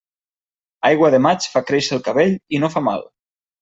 Aigua de maig fa créixer el cabell i no fa mal.